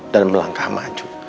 dan melangkah maju